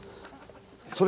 それ。